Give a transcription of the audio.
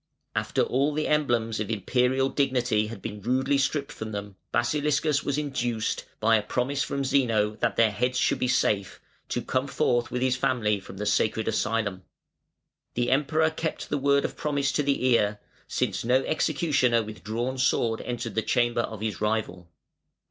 After all the emblems of Imperial dignity had been rudely stripped from them, Basiliscus was induced, by a promise from Zeno, "that their heads should be safe", to come forth with his family from the sacred asylum. The Emperor "kept the word of promise to the ear", since no executioner with drawn sword entered the chamber of his rival.